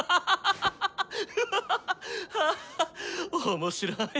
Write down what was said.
あ面白い。